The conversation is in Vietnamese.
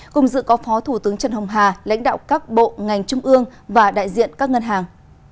cùng dự có phó thủ tướng trần hồng hà lãnh đạo các bộ ngành trung ương và đại diện các ngân hàng